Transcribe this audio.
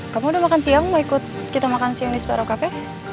kamu udah makan siang mau ikut kita makan siang di separuh kafe